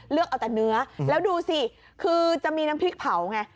เลือกเอาแต่เนื้อแล้วดูสิคือจะมีน้ำพริกเผาไง